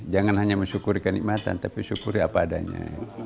jangan hanya bersyukur ikan nikmatan tapi bersyukuri apa adanya